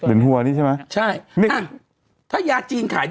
เหรียญหัวนี่ใช่มั้ย